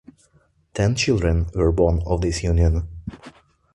Ten children were born of this union.